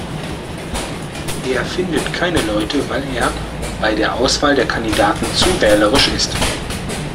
Er findet keine Leute, weil er bei der Auswahl der Kandidaten zu wählerisch ist.